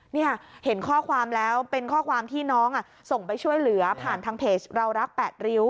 นี่เห็นข้อความแล้วเป็นข้อความที่น้องส่งไปช่วยเหลือผ่านทางเพจเรารัก๘ริ้ว